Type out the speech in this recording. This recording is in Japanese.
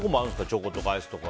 チョコとかアイスとか。